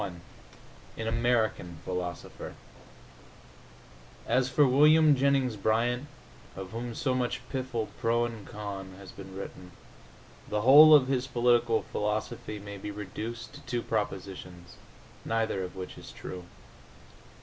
XXI AN AMERICAN PHILOSOPHER As for William Jennings Bryan, of whom so much piffle, pro and con, has been written, the whole of his political philosophy may be reduced to two propositions, neither of which is true.